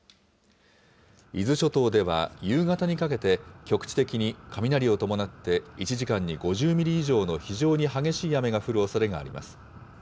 伊豆諸島では夕方にかけて、局地的に雷を伴って１時間に５０ミリ以上の非常に激しい雨が降るおそれがあります。